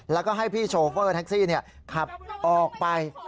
แล้วก็ให้พี่โชเฟอร์แท็กซี่ขับออกไป